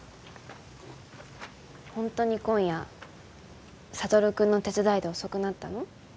本当に今夜智君の手伝いで遅くなったの？